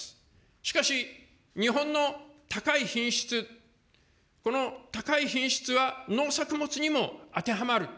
しかし、日本の高い品質、この高い品質は農作物にも当てはまる。